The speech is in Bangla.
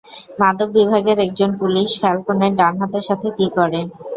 মাদক বিভাগের একজন পুলিশ ফ্যালকোনের ডান হাতের সাথে কী করে?